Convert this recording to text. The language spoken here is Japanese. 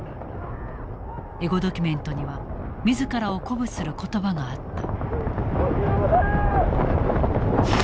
エゴドキュメントには自らを鼓舞する言葉があった。